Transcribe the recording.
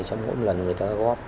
trong mỗi lần người ta góp